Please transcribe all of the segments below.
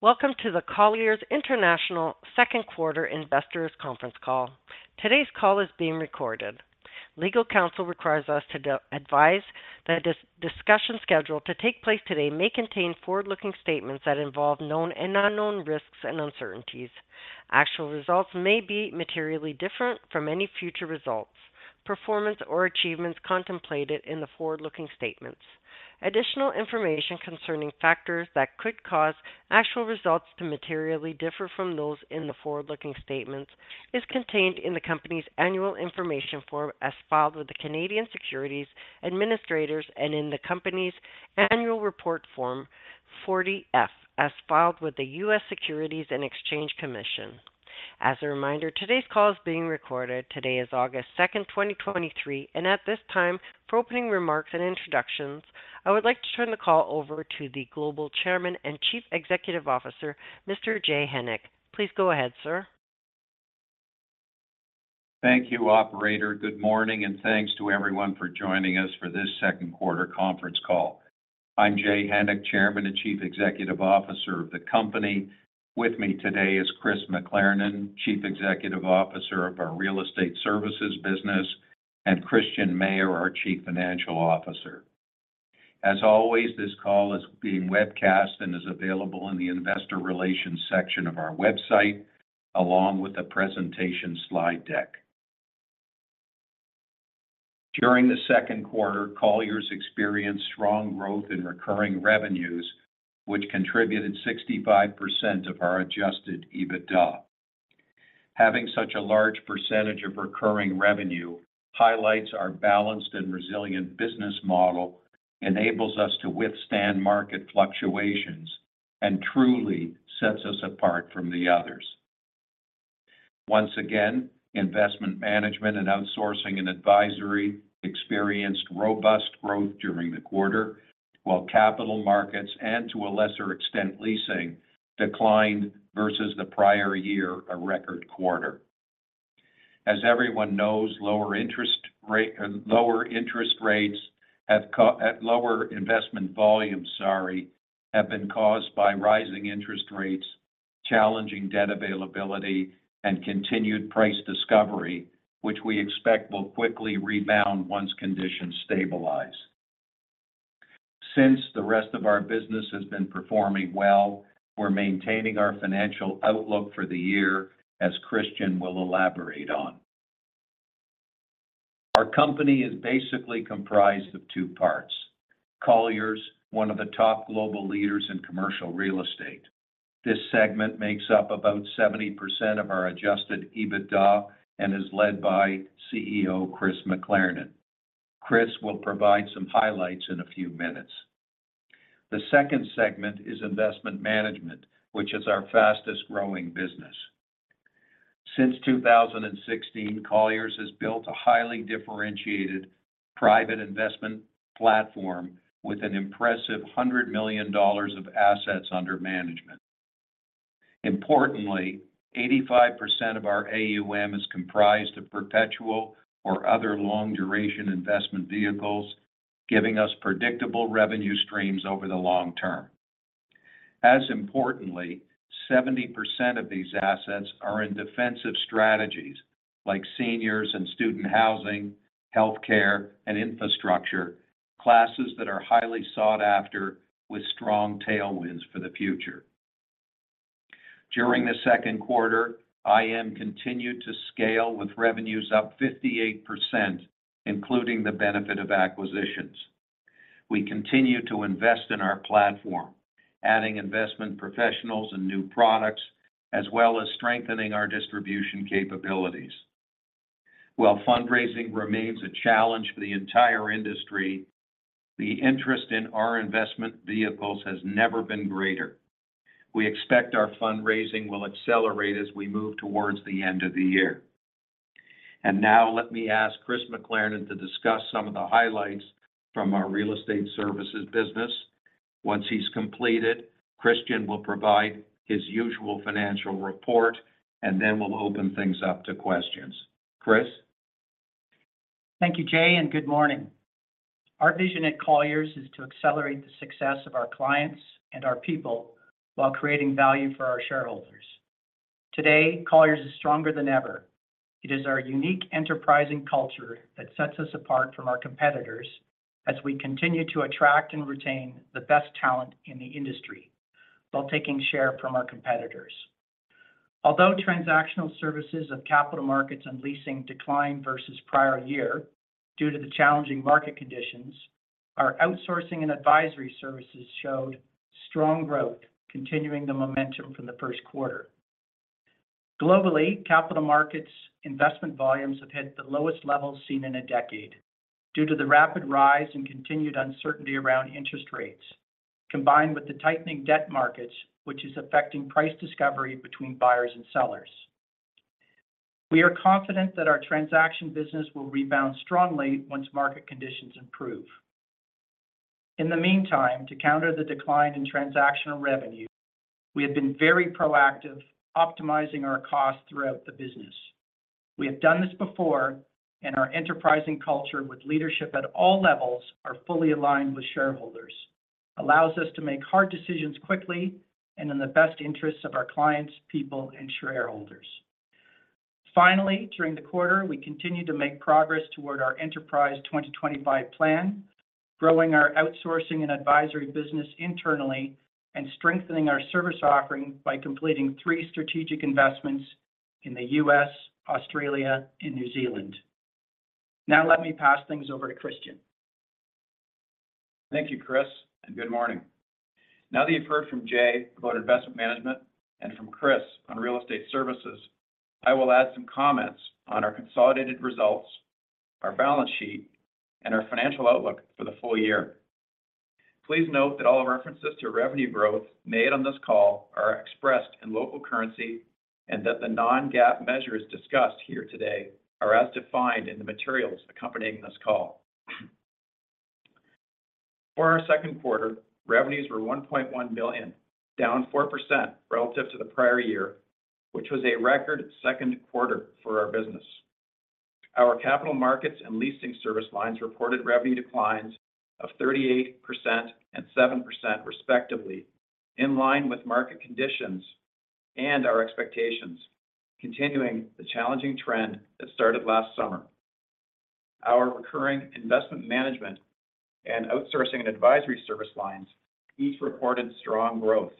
Welcome to the Colliers International Second Quarter Investors Conference Call. Today's call is being recorded. Legal counsel requires us to advise that this discussion scheduled to take place today may contain forward-looking statements that involve known and unknown risks and uncertainties. Actual results may be materially different from any future results, performance, or achievements contemplated in the forward-looking statements. Additional information concerning factors that could cause actual results to materially differ from those in the forward-looking statements is contained in the company's annual information form as filed with the Canadian Securities Administrators and in the company's annual report, Form 40-F, as filed with the U.S. Securities and Exchange Commission. As a reminder, today's call is being recorded. Today is August second, 2023. At this time, for opening remarks and introductions, I would like to turn the call over to the Global Chairman and Chief Executive Officer, Mr. Jay Hennick. Please go ahead, sir. Thank you, operator. Good morning, thanks to everyone for joining us for this second quarter conference call. I'm Jay Hennick, Chairman and Chief Executive Officer of the company. With me today is Chris McLernon, Chief Executive Officer of our Real Estate Services business, and Christian Mayer, our Chief Financial Officer. As always, this call is being webcast and is available in the investor relations section of our website, along with the presentation slide deck. During the second quarter, Colliers experienced strong growth in recurring revenues, which contributed 65% of our adjusted EBITDA. Having such a large percentage of recurring revenue highlights our balanced and resilient business model, enables us to withstand market fluctuations, and truly sets us apart from the others. Once again, Investment Management and Outsourcing and Advisory experienced robust growth during the quarter, while capital markets, and to a lesser extent, leasing, declined versus the prior year, a record quarter. As everyone knows, lower interest rate, lower interest rates have lower investment volumes, sorry, have been caused by rising interest rates, challenging debt availability, and continued price discovery, which we expect will quickly rebound once conditions stabilize. Since the rest of our business has been performing well, we're maintaining our financial outlook for the year, as Christian will elaborate on. Our company is basically comprised of two parts. Colliers, one of the top global leaders in commercial real estate. This segment makes up about 70% of our adjusted EBITDA and is led by CEO, Chris McLernon. Chris will provide some highlights in a few minutes. The second segment is Investment Management, which is our fastest-growin g business. Since 2016, Colliers has built a highly differentiated private investment platform with an impressive $100 million of assets under management. Importantly, 85% of our AUM is comprised of perpetual or other long-duration investment vehicles, giving us predictable revenue streams over the long term. As importantly, 70% of these assets are in defensive strategies, like seniors and student housing, healthcare, and infrastructure, classes that are highly sought after with strong tailwinds for the future. During the second quarter, IM continued to scale with revenues up 58%, including the benefit of acquisitions. We continue to invest in our platform, adding investment professionals and new products, as well as strengthening our distribution capabilities. While fundraising remains a challenge for the entire industry, the interest in our investment vehicles has never been greater. We expect our fundraising will accelerate as we move towards the end of the year. Now, let me ask Chris McLernon to discuss some of the highlights from our real estate services business. Once he's completed, Christian will provide his usual financial report, and then we'll open things up to questions. Chris? Thank you, Jay. Good morning. Our vision at Colliers is to accelerate the success of our clients and our people while creating value for our shareholders. Today, Colliers is stronger than ever. It is our unique, enterprising culture that sets us apart from our competitors as we continue to attract and retain the best talent in the industry, while taking share from our competitors. Although transactional services of capital markets and leasing declined versus prior year due to the challenging market conditions, our outsourcing and advisory services showed strong growth, continuing the momentum from the first quarter. Globally, capital markets investment volumes have hit the lowest levels seen in a decade due to the rapid rise and continued uncertainty around interest rates, combined with the tightening debt markets, which is affecting price discovery between buyers and sellers. We are confident that our transaction business will rebound strongly once market conditions improve. In the meantime, to counter the decline in transactional revenue, we have been very proactive, optimizing our costs throughout the business. We have done this before, and our enterprising culture with leadership at all levels are fully aligned with shareholders, allows us to make hard decisions quickly and in the best interests of our clients, people, and shareholders. Finally, during the quarter, we continued to make progress toward our Enterprise 2025 plan, growing our outsourcing and advisory business internally and strengthening our service offering by completing three strategic investments in the U.S., Australia, and New Zealand. Now, let me pass things over to Christian. Thank you, Chris, and good morning. Now that you've heard from Jay about Investment Management and from Chris on Real Estate Services, I will add some comments on our consolidated results, our balance sheet, and our financial outlook for the full year. Please note that all references to revenue growth made on this call are expressed in local currency, and that the non-GAAP measures discussed here today are as defined in the materials accompanying this call. For our second quarter, revenues were $1.1 billion, down 4% relative to the prior year, which was a record second quarter for our business. Our Capital Markets and Leasing service lines reported revenue declines of 38% and 7% respectively, in line with market conditions and our expectations, continuing the challenging trend that started last summer. Our recurring Investment Management and Outsourcing and Advisory service lines each reported strong growth.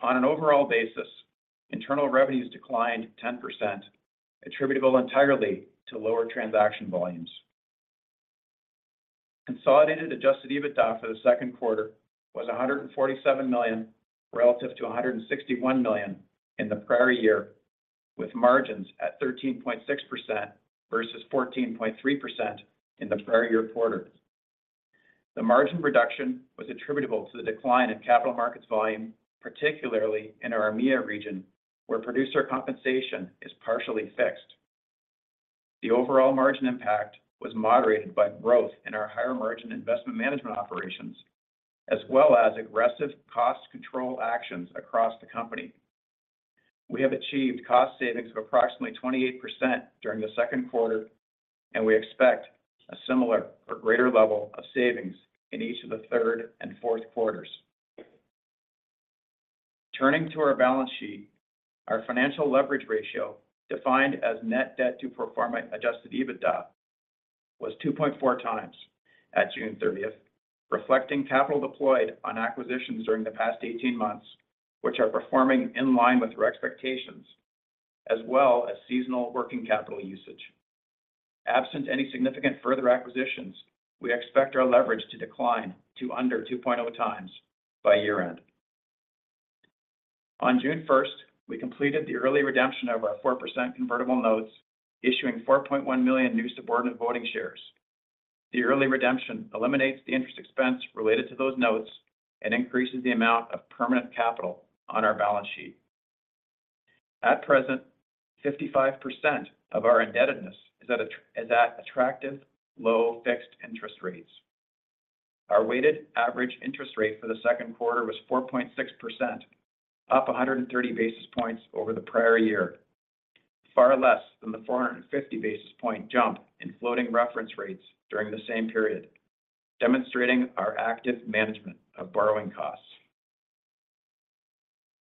On an overall basis, internal revenues declined 10%, attributable entirely to lower transaction volumes. Consolidated adjusted EBITDA for the second quarter was $147 million, relative to $161 million in the prior year, with margins at 13.6% versus 14.3% in the prior year quarter. The margin reduction was attributable to the decline in capital markets volume, particularly in our EMEA region, where producer compensation is partially fixed. The overall margin impact was moderated by growth in our higher-margin investment management operations, as well as aggressive cost control actions across the company. We have achieved cost savings of approximately 28% during the second quarter. We expect a similar or greater level of savings in each of the third and fourth quarters. Turning to our balance sheet, our financial leverage ratio, defined as net debt to proforma adjusted EBITDA, was 2.4x at June 30th, reflecting capital deployed on acquisitions during the past 18 months, which are performing in line with our expectations, as well as seasonal working capital usage. Absent any significant further acquisitions, we expect our leverage to decline to under 2.0x by year-end. On June 1st, we completed the early redemption of our 4% convertible notes, issuing 4.1 million new subordinate voting shares. The early redemption eliminates the interest expense related to those notes and increases the amount of permanent capital on our balance sheet. At present, 55% of our indebtedness is at attractive, low fixed interest rates. Our weighted average interest rate for the second quarter was 4.6%, up 130 basis points over the prior year, far less than the 450 basis point jump in floating reference rates during the same period, demonstrating our active management of borrowing costs.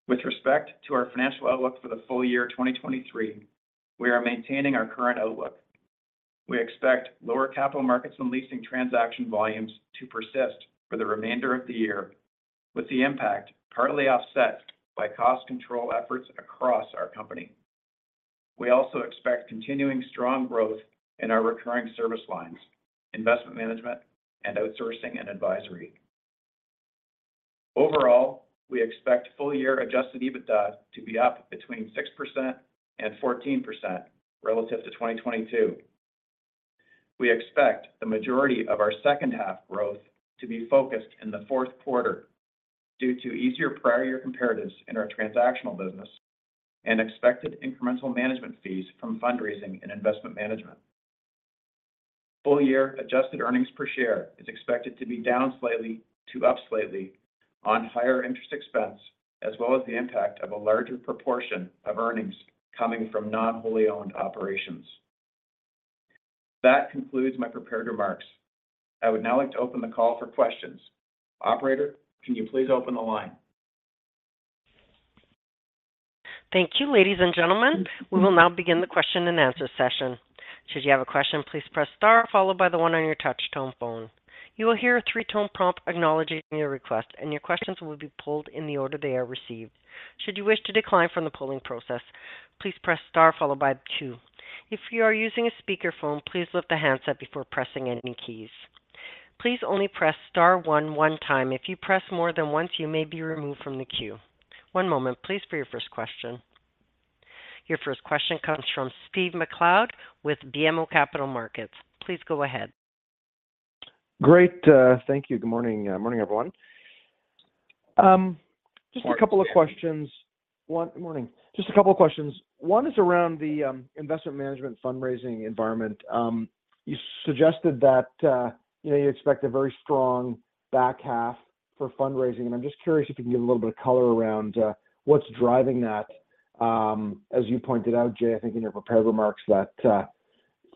With respect to our financial outlook for the full year 2023, we are maintaining our current outlook. We expect lower capital markets and leasing transaction volumes to persist for the remainder of the year, with the impact partly offset by cost control efforts across our company. We also expect continuing strong growth in our recurring service lines, investment management, and outsourcing and advisory. Overall, we expect full-year adjusted EBITDA to be up between 6% and 14% relative to 2022. We expect the majority of our second-half growth to be focused in the fourth quarter due to easier prior year comparatives in our transactional business and expected incremental management fees from fundraising and investment management. Full-year adjusted earnings per share is expected to be down slightly to up slightly on higher interest expense, as well as the impact of a larger proportion of earnings coming from non-wholly owned operations. That concludes my prepared remarks. I would now like to open the call for questions. Operator, can you please open the line? Thank you, ladies and gentlemen. We will now begin the question-and-answer session. Should you have a question, please press star followed by the one on your touch tone phone. You will hear a three-tone prompt acknowledging your request, and your questions will be pulled in the order they are received. Should you wish to decline from the polling process, please press star followed by two. If you are using a speakerphone, please lift the handset before pressing any keys. Please only press star one one time. If you press more than once, you may be removed from the queue. One moment, please, for your first question. Your first question comes from Stephen MacLeod with BMO Capital Markets. Please go ahead. Great. Thank you. Good morning, morning, everyone. Just a couple of questions. Morning. Morning. Just a couple of questions. One is around the investment management fundraising environment. You suggested that, you know, you expect a very strong back half, for fundraising, and I'm just curious if you can give a little bit of color around what's driving that. As you pointed out, Jay, I think in your prepared remarks, that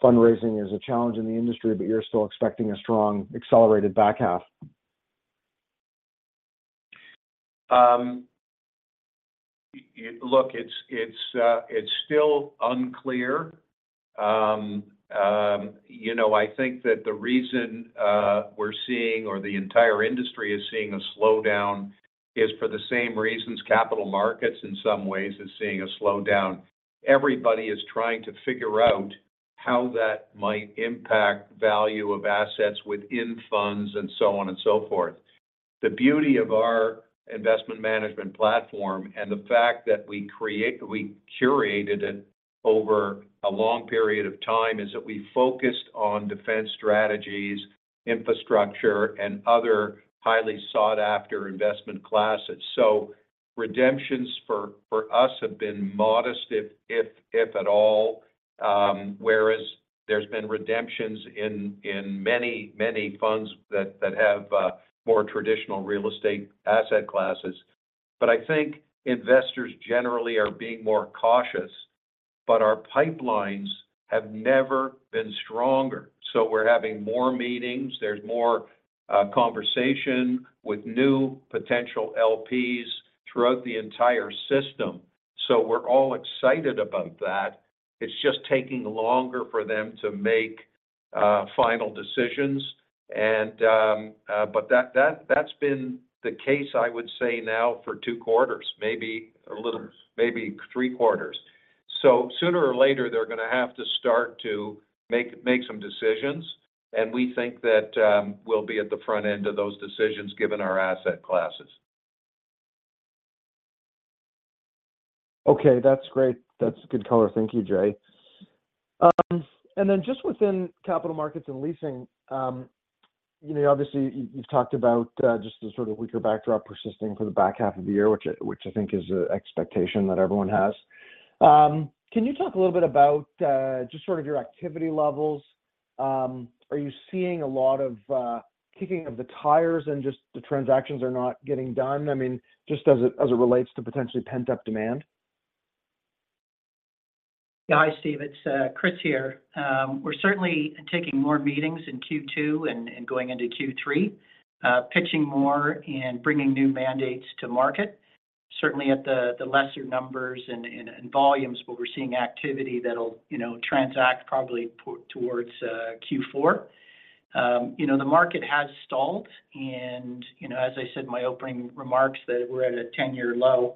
fundraising is a challenge in the industry, but you're still expecting a strong accelerated back half. Look, it's, it's, it's still unclear. you know, I think that the reason we're seeing or the entire industry is seeing a slowdown is for the same reasons capital markets, in some ways, is seeing a slowdown. Everybody is trying to figure out how that might impact value of assets within funds and so on and so forth. The beauty of our investment management platform and the fact that we curated it over a long period of time, is that we focused on defense strategies, infrastructure, and other highly sought-after investment classes. redemptions for, for us have been modest, if, if, if at all, whereas there's been redemptions in, in many, many funds that, that have more traditional real estate asset classes. I think investors generally are being more cautious, but our pipelines have never been stronger. We're having more meetings. There's more conversation with new potential LPs throughout the entire system. We're all excited about that. It's just taking longer for them to make final decisions. But that's been the case, I would say now for two quarters, maybe three quarters. Sooner or later, they're going to have to start to make, make some decisions, and we think that, we'll be at the front end of those decisions, given our asset classes. Okay, that's great. That's good color. Thank you, Jay. Just within capital markets and leasing, you know, obviously, you've talked about just the sort of weaker backdrop persisting for the back half of the year, which which I think is the expectation that everyone has. Can you talk a little bit about just sort of your activity levels? Are you seeing a lot of kicking of the tires and just the transactions are not getting done? I mean, just as it, as it relates to potentially pent-up demand. Hi, Steve. It's Chris here. We're certainly taking more meetings in Q2 and, and going into Q3, pitching more and bringing new mandates to market. Certainly at the, the lesser numbers and, and, and volumes, but we're seeing activity that'll, you know, transact probably towards Q4. You know, the market has stalled, and, you know, as I said in my opening remarks, that we're at a 10-year low.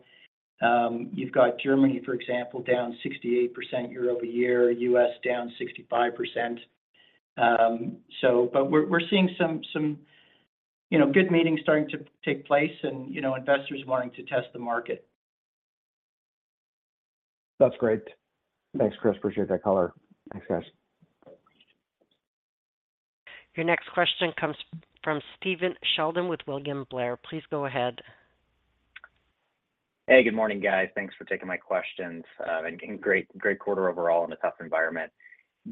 You've got Germany, for example, down 68% year-over-year, U.S. down 65%. But we're, we're seeing some, some, you know, good meetings starting to take place and, you know, investors wanting to test the market. That's great. Thanks, Chris. Appreciate that color. Thanks, guys. Your next question comes from Stephen Sheldon with William Blair. Please go ahead. Hey, good morning, guys. Thanks for taking my questions, and great, great quarter overall in a tough environment.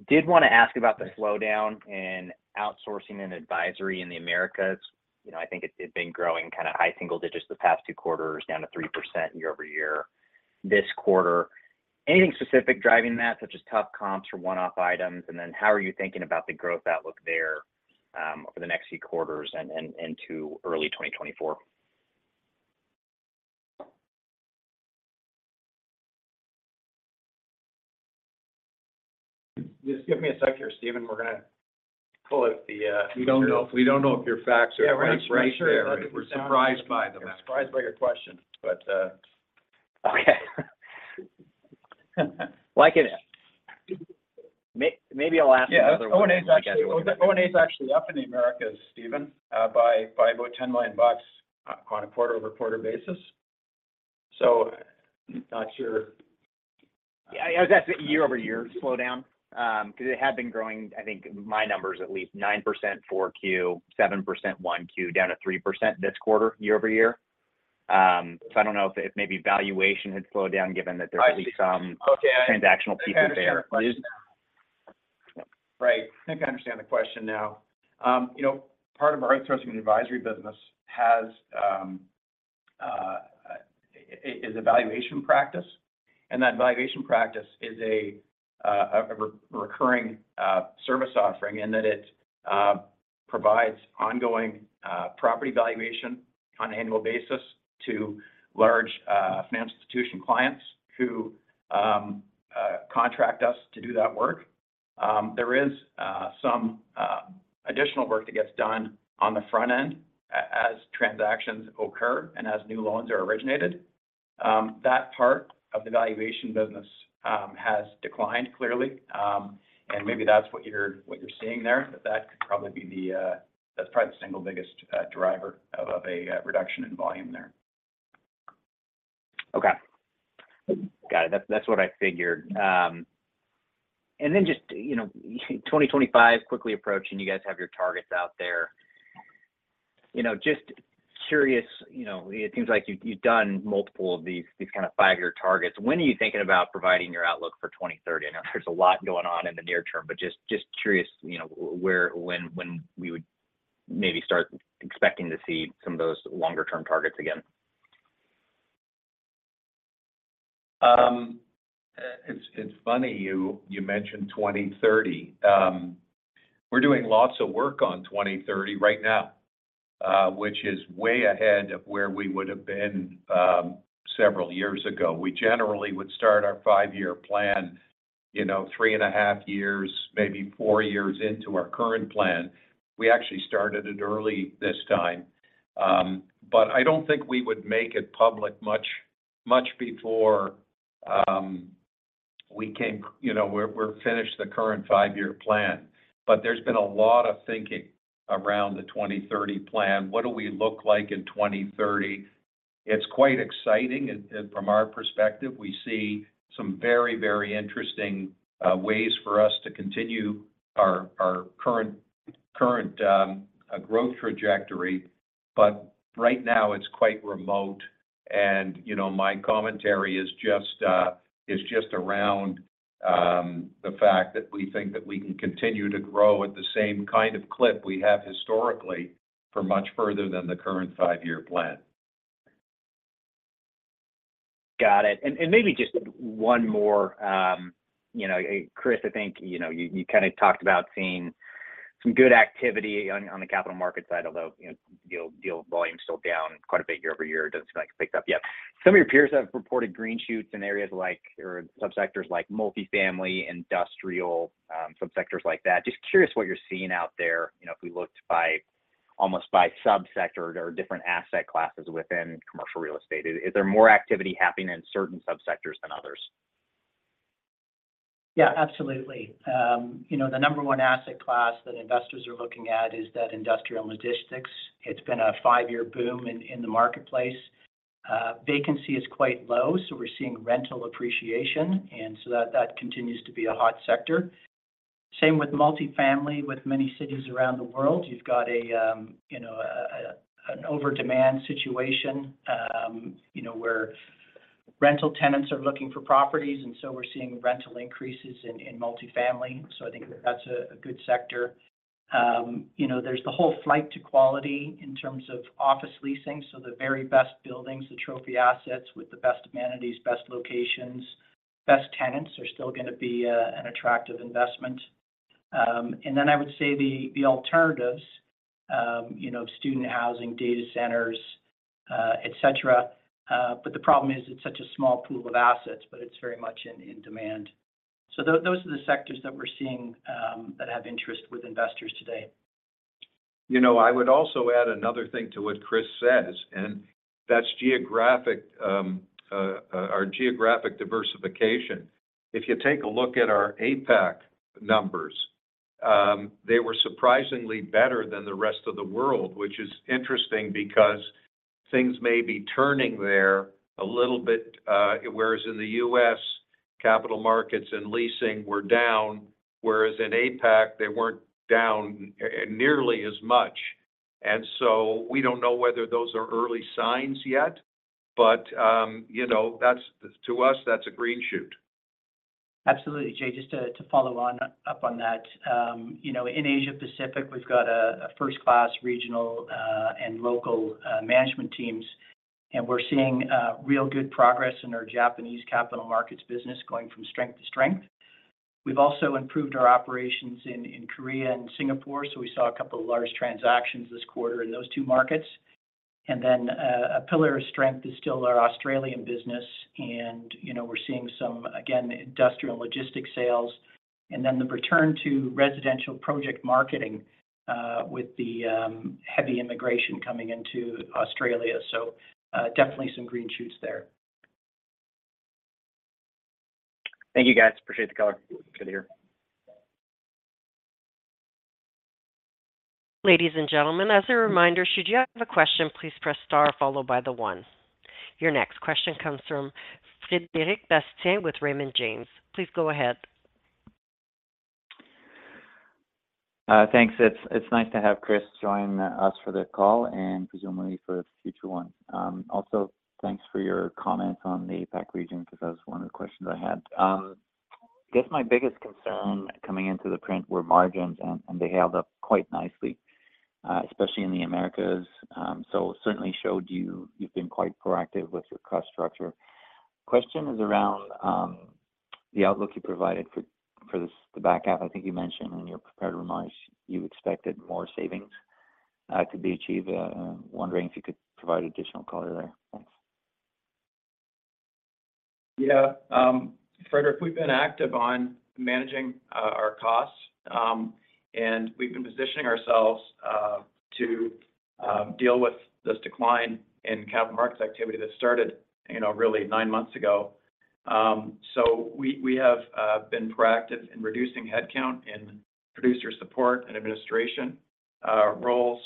Did want to ask about the slowdown in outsourcing and advisory in the Americas. You know, I think it, it had been growing kind of high single digits the past two quarters, down to 3% year-over-year this quarter. Anything specific driving that, such as tough comps or one-off items? Then how are you thinking about the growth outlook there, over the next few quarters and, and, and to early 2024? Just give me a sec here, Stephen. We're gonna pull up the- We don't know if, we don't know if your facts are right there. Yeah, we're surprised by them. We're surprised by your question, but- Okay. Like it is. Maybe I'll ask another one. O&A is actually, O&A is actually up in the Americas, Stephen Sheldon, by 5, about $10 million on a quarter-over-quarter basis. Not sure. Yeah, I was asking year-over-year slowdown, because it had been growing, I think my number is at least 9% 4Q, 7%, 1Q, down to 3% this quarter, year-over-year. I don't know if maybe valuation had slowed down, given that there's been some transactional pieces there. Right. I think I understand the question now. You know, part of our outsourcing and advisory business has, is a valuation practice, and that valuation practice is a recurring service offering in that it provides ongoing property valuation on an annual basis to large financial institution clients who contract us to do that work. There is some additional work that gets done on the front end as transactions occur and as new loans are originated. That part of the valuation business has declined, clearly. Maybe that's what you're, what you're seeing there, that that could probably be the... That's probably the single biggest driver of, of a reduction in volume there. Okay. Got it. That's, that's what I figured. Then just, you know, 2025 quickly approaching, you guys have your targets out there. You know, just curious, you know, it seems like you've, you've done multiple of these, these kind of five-year targets. When are you thinking about providing your outlook for 2030? I know there's a lot going on in the near term, just, just curious, you know, where, when, when we would maybe start expecting to see some of those longer-term targets again? It's, it's funny you, you mentioned 2030. We're doing lots of work on 2030 right now, which is way ahead of where we would have been, several years ago. We generally would start our five-year plan, you know, three and a half years, maybe four years into our current plan. We actually started it early this time. I don't think we would make it public much, much before, you know, we're, we're finished the current five-year plan. There's been a lot of thinking around the 2030 plan. What do we look like in 2030? It's quite exciting, and, and from our perspective, we see some very, very interesting ways for us to continue our, our current, current growth trajectory. Right now, it's quite remote. You know, my commentary is just, is just around, the fact that we think that we can continue to grow at the same kind of clip we have historically for much further than the current five-year plan. Got it. Maybe just one more. You know, Chris, I think, you know, you, you kind of talked about seeing some good activity on, on the capital market side, although, you know, deal, deal volume is still down quite a bit year-over-year. It doesn't seem like it's picked up yet. Some of your peers have reported green shoots in areas like, or subsectors like multifamily, industrial, subsectors like that. Just curious what you're seeing out there, you know, if we looked by almost by subsector or different asset classes within commercial real estate. Is, is there more activity happening in certain subsectors than others? Yeah, absolutely. You know, the number one asset class that investors are looking at is that industrial logistics. It's been a five-year boom in, in the marketplace. Vacancy is quite low, so we're seeing rental appreciation, so that, that continues to be a hot sector. Same with multifamily. With many cities around the world, you've got a, you know, an over-demand situation, you know, where rental tenants are looking for properties, so we're seeing rental increases in, in multifamily. I think that's a, a good sector. You know, there's the whole flight to quality in terms of office leasing, so the very best buildings, the trophy assets with the best amenities, best locations, best tenants are still gonna be an attractive investment. Then I would say the, the alternatives, you know, student housing, data centers, et cetera. The problem is it's such a small pool of assets, but it's very much in, in demand. Those are the sectors that we're seeing, that have interest with investors today. You know, I would also add another thing to what Chris says, and that's geographic, our geographic diversification. If you take a look at our APAC numbers, they were surprisingly better than the rest of the world, which is interesting because things may be turning there a little bit. Whereas in the U.S., capital markets and leasing were down, whereas in APAC, they weren't down nearly as much. So we don't know whether those are early signs yet, but, you know, that's, to us, that's a green shoot. Absolutely, Jay. Just to, to follow on up on that, you know, in Asia Pacific, we've got a, a first-class regional, and local, management teams, and we're seeing, real good progress in our Japanese capital markets business going from strength to strength. We've also improved our operations in Korea and Singapore, so we saw a couple of large transactions this quarter in those two markets. Then, a pillar of strength is still our Australian business, and, you know, we're seeing some, again, industrial logistic sales, and then the return to residential project marketing, with the, heavy immigration coming into Australia so definitely some green shoots there. Thank you, guys. Appreciate the call. Good to hear. Ladies and gentlemen, as a reminder, should you have a question, please press star followed by the one. Your next question comes from Frederic Bastien with Raymond James. Please go ahead. Thanks. It's, it's nice to have Chris join us for the call and presumably for future ones. Also, thanks for your comments on the APAC region, because that was one of the questions I had. I guess my biggest concern coming into the print were margins, and, and they held up quite nicely, especially in the Americas. Certainly showed you, you've been quite proactive with your cost structure. Question is around the outlook you provided for, for this, the back half. I think you mentioned in your prepared remarks you expected more savings to be achieved. Wondering if you could provide additional color there. Thanks. Yeah, Frederic, we've been active on managing our costs, and we've been positioning ourselves to deal with this decline in capital markets activity that started, you know, really nine months ago. We, we have been proactive in reducing headcount in producer support and administration roles.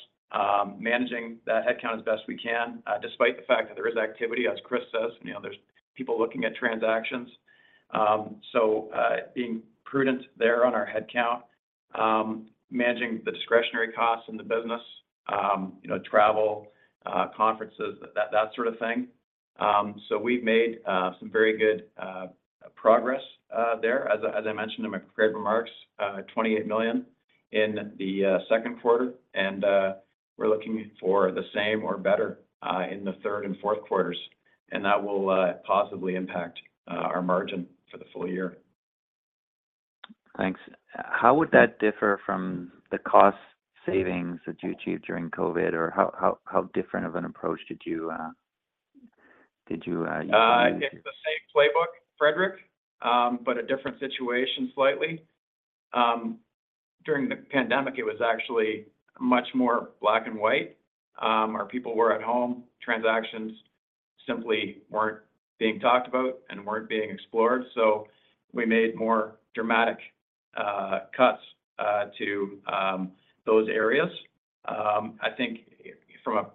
Managing that headcount as best we can, despite the fact that there is activity, as Chris says, you know, there's people looking at transactions. Being prudent there on our headcount, managing the discretionary costs in the business, you know, travel, conferences, that, that sort of thing. We've made some very good progress there, as I, as I mentioned in my prepared remarks, $28 million in the second quarter. We're looking for the same or better in the third and fourth quarters, and that will positively impact our margin for the full year. Thanks. How would that differ from the cost savings that you achieved during COVID? How different of an approach did you use? It's the same playbook, Frederic, but a different situation slightly. During the pandemic, it was actually much more black and white. Our people were at home, transactions simply weren't being talked about and weren't being explored, so we made more dramatic cuts to those areas. I think from a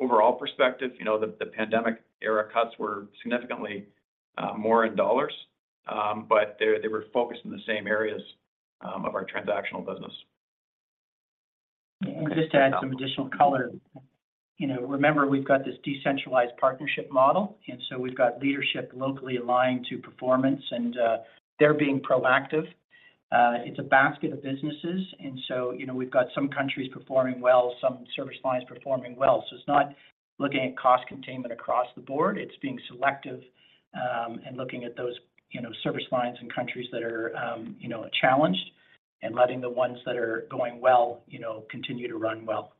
overall perspective, you know, the, the pandemic-era cuts were significantly more in dollars, but they, they were focused in the same areas of our transactional business. Just to add some additional color. You know, remember, we've got this decentralized partnership model, and so we've got leadership locally aligned to performance and they're being proactive. It's a basket of businesses, and so, you know, we've got some countries performing well, some service lines performing well. It's not looking at cost containment across the board, it's being selective, and looking at those, you know, service lines and countries that are, you know, challenged, and letting the ones that are going well, you know, continue to run well.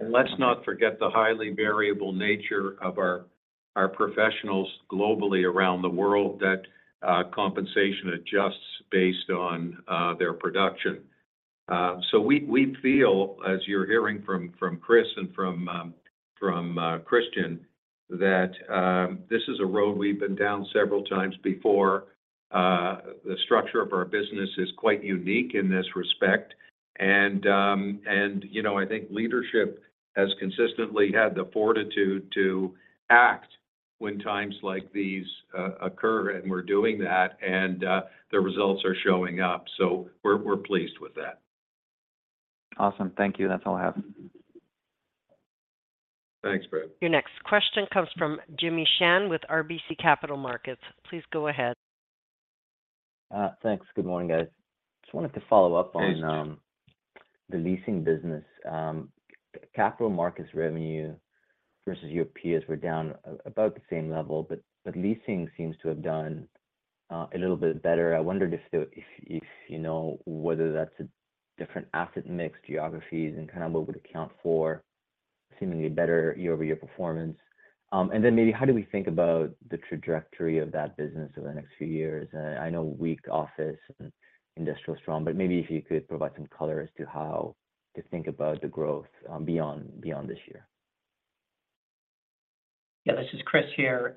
Let's not forget the highly variable nature of our, our professionals globally around the world, that compensation adjusts based on their production. We, we feel, as you're hearing from, from Chris and from Christian, that this is a road we've been down several times before. The structure of our business is quite unique in this respect. You know, I think leadership has consistently had the fortitude to act when times like these occur, and we're doing that, and the results are showing up. We're, we're pleased with that. Awesome. Thank you. That's all I have. Thanks, Fred. Your next question comes from Jimmy Shan with RBC Capital Markets. Please go ahead. Thanks. Good morning, guys. Just wanted to follow up on the leasing business. Capital markets revenue versus OPs were down about the same level, but, but leasing seems to have done a little bit better. I wondered if, if, you know, whether that's a different asset mix, geographies, and kind of what would account for seemingly better year-over-year performance. Then maybe how do we think about the trajectory of that business over the next few years? I know weak office and industrial strong, but maybe if you could provide some color as to how to think about the growth, beyond, beyond this year. Yeah, this is Chris here.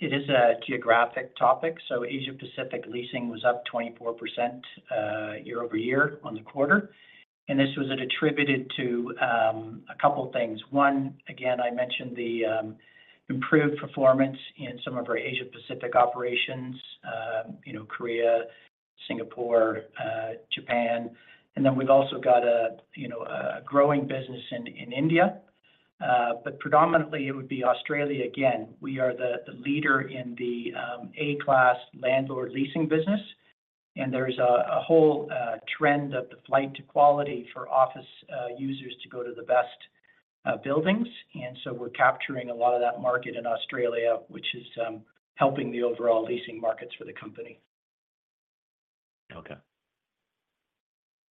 It is a geographic topic, so Asia Pacific leasing was up 24%, year-over-year on the quarter, and this was attributed to a couple of things. One, again, I mentioned the improved performance in some of our Asia Pacific operations, you know, Korea, Singapore, Japan. Then we've also got a, you know, a growing business in India, but predominantly it would be Australia. Again, we are the leader in the A-class landlord leasing business, and there's a whole trend of the flight to quality for office users to go to the best buildings. So we're capturing a lot of that market in Australia, which is helping the overall leasing markets for the company. Okay.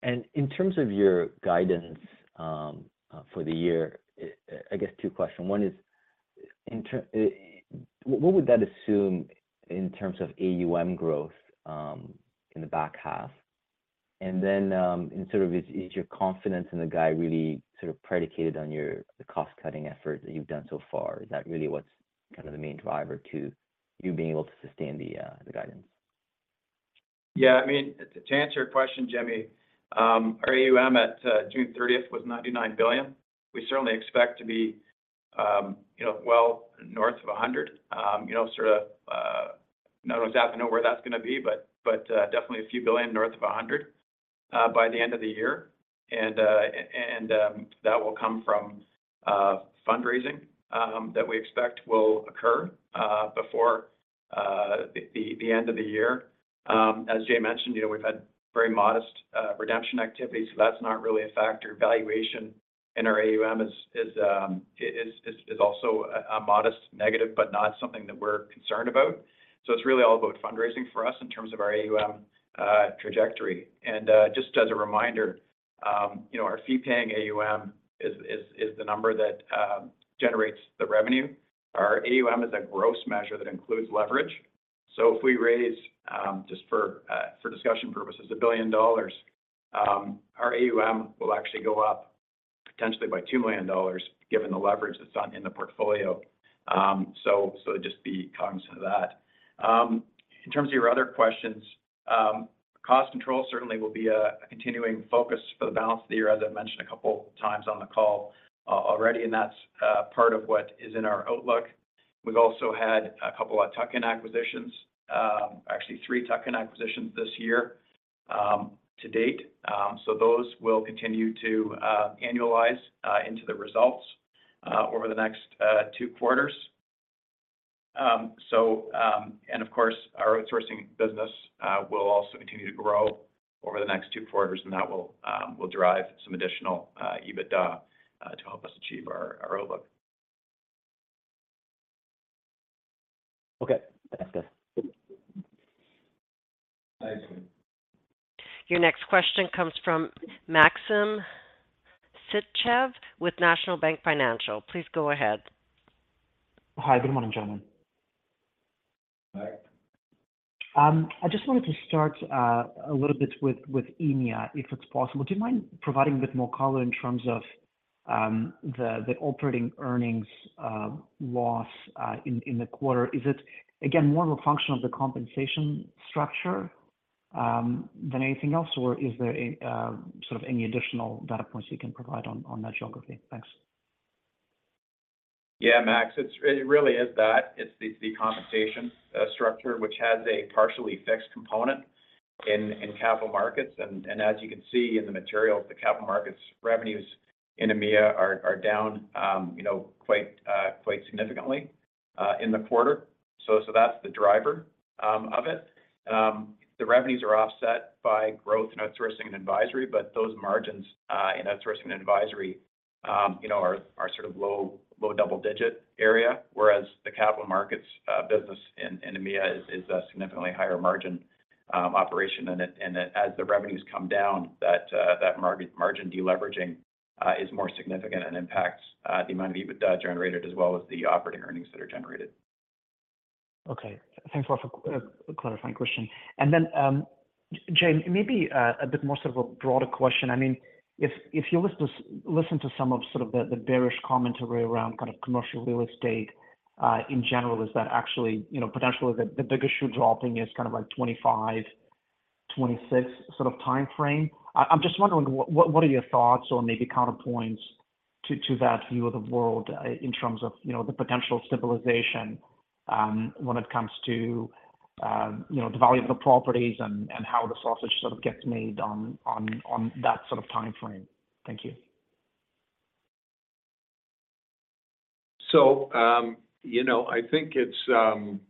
In terms of your guidance for the year, I guess two question. One is, what would that assume in terms of AUM growth in the back half? Sort of is your confidence in the guide really sort of predicated on your, the cost-cutting efforts that you've done so far? Is that really what's kind of the main driver to you being able to sustain the guidance? Yeah, I mean, to answer your question, Jimmy, our AUM at June 30th was $99 billion. We certainly expect to be, you know, well north of $100 billion. You know, sort of, no one's happy to know where that's going to be, but, but, definitely a few billion north of $100 billion by the end of the year. That will come from fundraising that we expect will occur before the end of the year. As Jay mentioned, you know, we've had very modest redemption activity, so that's not really a factor. Valuation in our AUM is, is, is, is also a modest negative, but not something that we're concerned about. It's really all about fundraising for us in terms of our AUM trajectory. Just as a reminder, you know, our fee-paying AUM is, is, is the number that generates the revenue. Our AUM is a gross measure that includes leverage. If we raise, just for discussion purposes, $1 billion, our AUM will actually go up potentially by $2 million, given the leverage that's in the portfolio. Just be cognizant of that. In terms of your other questions, cost control certainly will be a continuing focus for the balance of the year, as I've mentioned a couple of times on the call already, and that's part of what is in our outlook. We've also had a couple of tuck-in acquisitions, actually three tuck-in acquisitions this year, to date. Those will continue to annualize into the results over the next two quarters. Of course, our outsourcing business will also continue to grow over the next two quarters, and that will drive some additional EBITDA to help us achieve our outlook. Okay, thanks, guys. Thank you. Your next question comes from Maxim Sytchev with National Bank Financial. Please go ahead. Hi, good morning, gentlemen. Hi. I just wanted to start a little bit with, with EMEA, if it's possible. Do you mind providing a bit more color in terms of the, the operating earnings loss in the quarter? Is it, again, more of a function of the compensation structure than anything else, or is there a sort of any additional data points you can provide on that geography? Thanks. Yeah, Max, it's, it really is that, it's the, the compensation structure, which has a partially fixed component in, in capital markets. As you can see in the materials, the capital markets revenues in EMEA are, are down, you know, quite, quite significantly in the quarter. That's the driver of it. The revenues are offset by growth in outsourcing and advisory. Those margins in outsourcing and advisory, you know, are, are sort of low, low double-digit area. Whereas the capital markets business in EMEA is, is a significantly higher margin operation. As the revenues come down, that, that margin deleveraging is more significant and impacts the amount of EBITDA generated, as well as the operating earnings that are generated. Okay. Thanks a lot for clarifying question. Then, Jay, maybe a bit more sort of a broader question. I mean, if, if you listen to, listen to some of sort of the, the bearish commentary around kind of commercial real estate, in general, is that actually, you know, potentially the, the biggest shoe dropping is kind of like 2025, 2026 sort of timeframe? I, I'm just wondering what, what are your thoughts or maybe counterpoints to, to that view of the world, in terms of, you know, the potential stabilization, when it comes to, you know, the value of the properties and, and how the sausage sort of gets made on, on, on that sort of timeframe? Thank you. You know, I think it's,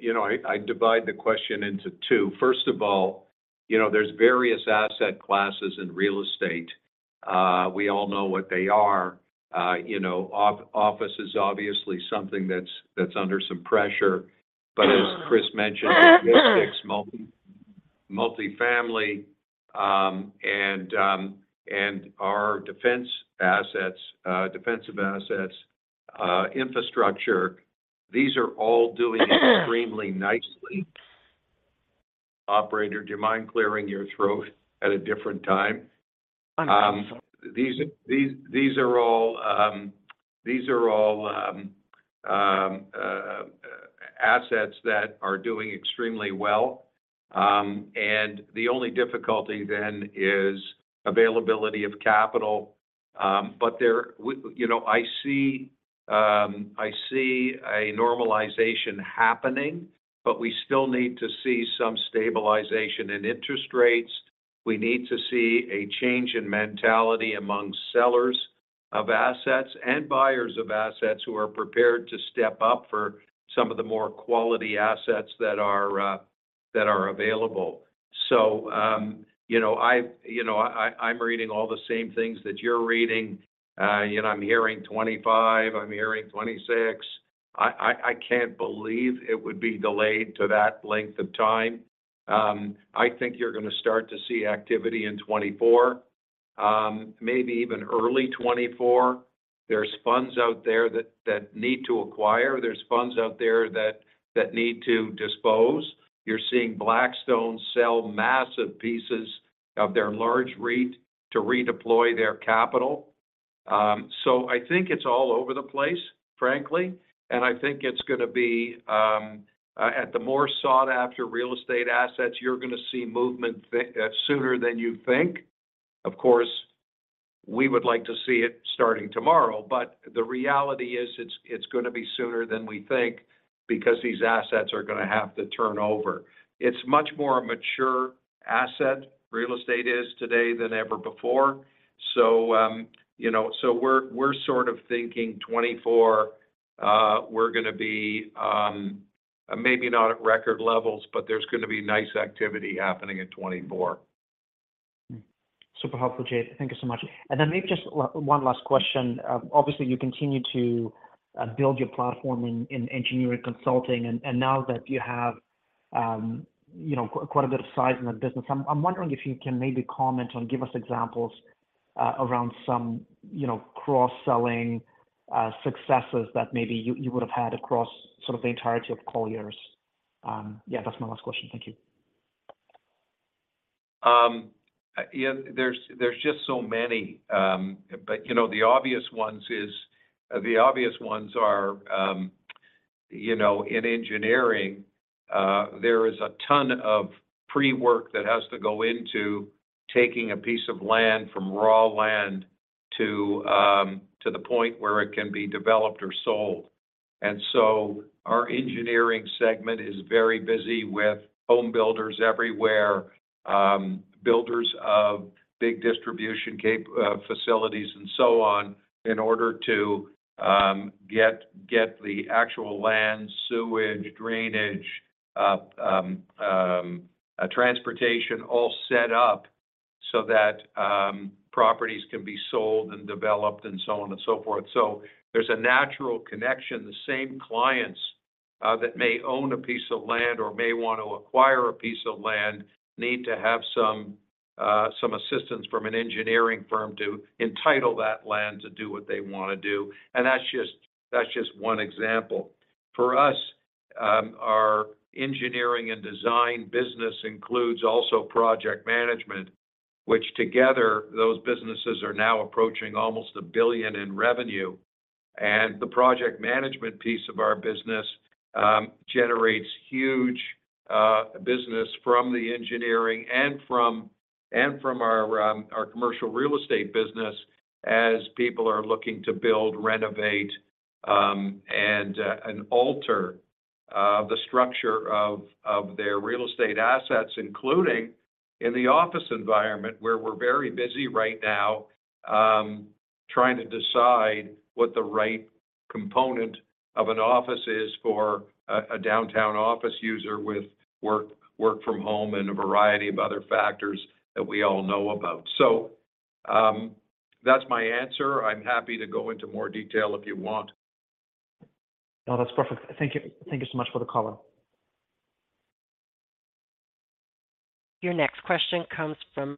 you know, I, I divide the question into two. First of all, you know, there's various asset classes in real estate. We all know what they are. You know, office is obviously something that's, that's under some pressure. As Chris mentioned, multifamily, and our defense assets, defensive assets, infrastructure, these are all doing extremely nicely. Operator, do you mind clearing your throat at a different time? I'm sorry. These are all assets that are doing extremely well. The only difficulty then is availability of capital. We, you know, I see a normalization happening, but we still need to see some stabilization in interest rates. We need to see a change in mentality among sellers of assets and buyers of assets who are prepared to step up for some of the more quality assets that are that are available. You know, I've, you know, I'm reading all the same things that you're reading. You know, I'm hearing 2025, I'm hearing 2026. I can't believe it would be delayed to that length of time. I think you're gonna start to see activity in 2024, maybe even early 2024. There's funds out there that, that need to acquire. There's funds out there that, that need to dispose. You're seeing Blackstone sell massive pieces of their large REIT to redeploy their capital. I think it's all over the place, frankly, and I think it's gonna be. At the more sought-after real estate assets, you're gonna see movement sooner than you think. Of course, we would like to see it starting tomorrow, but the reality is, it's, it's gonna be sooner than we think, because these assets are gonna have to turn over. It's much more a mature asset, real estate is today than ever before. You know, so we're, we're sort of thinking 2024, we're gonna be, maybe not at record levels, but there's gonna be nice activity happening in 2024. Super helpful, Jay. Thank you so much. Maybe just one last question. Obviously, you continue to build your platform in engineering consulting, and now that you have, you know, quite a bit of size in the business, I'm wondering if you can maybe comment on, give us examples, around some you know cross-selling successes that maybe you would have had across sort of the entirety of Colliers. Yeah, that's my last question. Thank you. Yeah, there's, there's just so many, but, you know, the obvious ones is- the obvious ones are, you know, in engineering, there is a ton of pre-work that has to go into taking a piece of land from raw land to, to the point where it can be developed or sold. Our engineering segment is very busy with home builders everywhere, builders of big distribution CapEx, facilities, and so on, in order to, get, get the actual land, sewage, drainage, transportation all set up so that, properties can be sold and developed, and so on and so forth. There's a natural connection. The same clients that may own a piece of land or may want to acquire a piece of land, need to have some assistance from an engineering firm to entitle that land to do what they wanna do, and that's just, that's just one example. For us, our engineering and design business includes also project management, which together, those businesses are now approaching almost $1 billion in revenue. The project management piece of our business generates huge business from the engineering and from our commercial real estate business, as people are looking to build, renovate, and alter the structure of their real estate assets, including in the office environment, where we're very busy right now, trying to decide what the right component of an office is for a downtown office user with work, work from home, and a variety of other factors that we all know about. That's my answer. I'm happy to go into more detail if you want. No, that's perfect. Thank you. Thank you so much for the color. Your next question comes from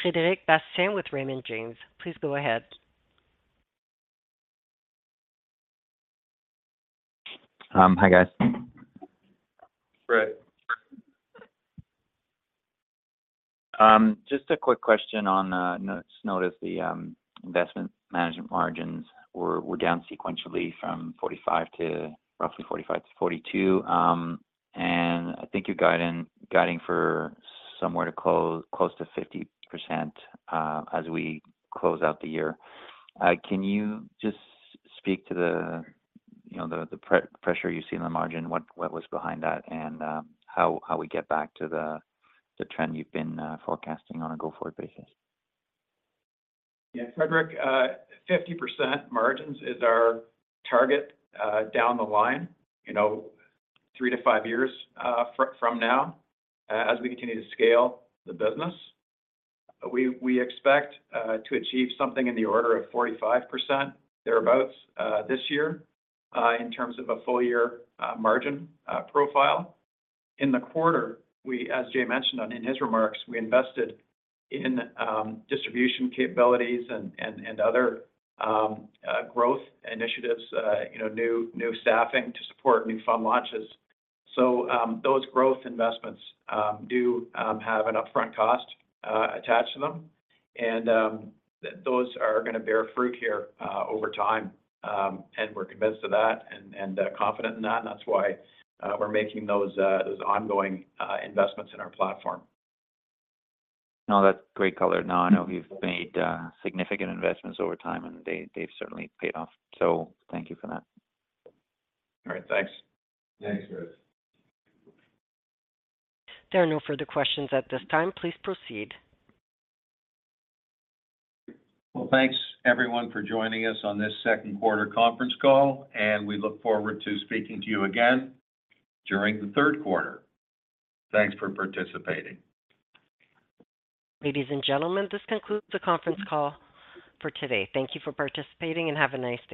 Frederic Bastien with Raymond James. Please go ahead. Hi, guys. Fred. Just a quick question on, noticed the investment management margins were down sequentially from 45% to roughly 45% to 42%. I think you're guiding, guiding for somewhere to close, close to 50%, as we close out the year. Can you just speak to the, you know, the pressure you see in the margin, what was behind that, and how we get back to the trend you've been forecasting on a go-forward basis? Yeah, Frederic, 50% margins is our target, down the line, you know, 3-5 years from now, as we continue to scale the business. We, we expect to achieve something in the order of 45%, thereabouts, this year, in terms of a full year margin profile. In the quarter, we, as Jay mentioned in his remarks, we invested in distribution capabilities and, and, and other growth initiatives, you know, new, new staffing to support new fund launches. Those growth investments do have an upfront cost attached to them, and those are gonna bear fruit here over time. And we're convinced of that and, and confident in that, and that's why we're making those ongoing investments in our platform. No, that's great color. I know you've made significant investments over time, and they, they've certainly paid off. Thank you for that. All right, thanks. Thanks, Fred. There are no further questions at this time. Please proceed. Well, thanks, everyone, for joining us on this second quarter conference call, and we look forward to speaking to you again during the third quarter. Thanks for participating. Ladies and gentlemen, this concludes the conference call for today. Thank you for participating, and have a nice day.